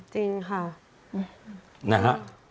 จริงค่ะอเรนนี่นะฮะ